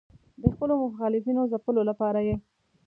د خپلو مخالفینو ځپلو لپاره یې.